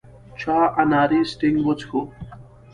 چا اناري سټینګ وڅښو.